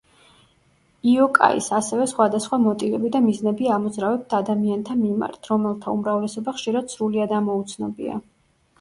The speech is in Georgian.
იოკაის ასევე სხვადასხვა მოტივები და მიზნები ამოძრავებთ ადამიანთა მიმართ, რომელთა უმრავლესობა ხშირად სრულიად ამოუცნობია.